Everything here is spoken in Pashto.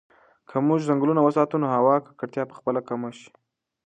که موږ ځنګلونه وساتو نو د هوا ککړتیا به په خپله کمه شي.